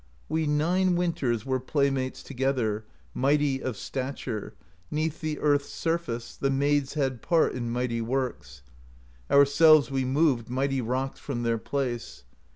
'We nine winters Were playmates together, Mighty of stature, 'Neath the earth's surface. The maids had part In mighty works: Ourselves we moved Mighty rocks from their place.